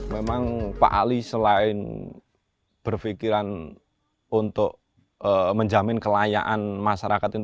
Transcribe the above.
memang pak ali selain berpikiran untuk menjamin kelayaan masyarakat ini